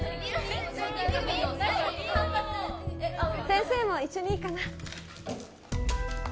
先生も一緒にいいかな